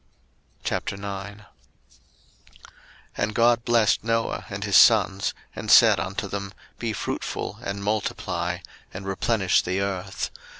01:009:001 And God blessed Noah and his sons, and said unto them, Be fruitful, and multiply, and replenish the earth.